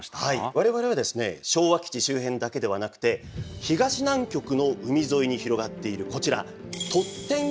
我々はですね昭和基地周辺だけではなくて東南極の海沿いに広がっているこちらトッテン